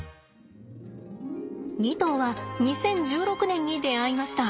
２頭は２０１６年に出会いました。